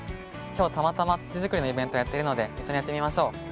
今日たまたま土作りのイベントをやっているので一緒にやってみましょう。